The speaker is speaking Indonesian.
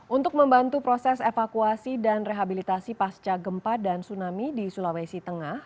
untuk membantu proses evakuasi dan rehabilitasi pasca gempa dan tsunami di sulawesi tengah